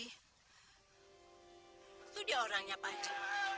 itu dia orangnya pak haji